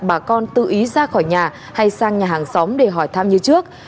bà con tự ý ra khỏi nhà hay sang nhà hàng xóm để hỏi thăm như trước